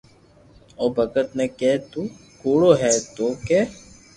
او ڀگت ني ڪي ڪي تو ڪوڙو ھي تو ڪي